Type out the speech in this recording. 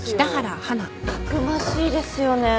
たくましいですよね。